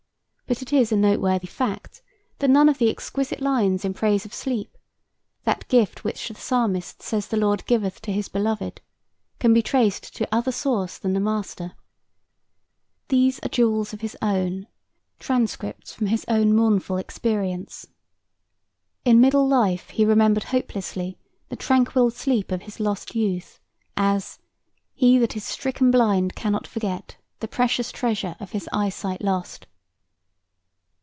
But it is a noteworthy fact, that none of the exquisite lines in praise of sleep that gift which the Psalmist says the Lord giveth to his beloved can be traced to other source than the master. These are jewels of his own; transcripts from his own mournful experience. In middle life he remembered hopelessly the tranquil sleep of his lost youth, as "He that is stricken blind cannot forget The precious treasure of his eyesight lost."